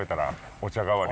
お茶代わり。